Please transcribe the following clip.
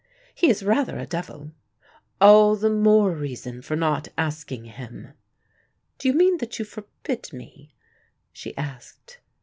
"He is rather a devil." "All the more reason for not asking him." "Do you mean that you forbid me?" she asked.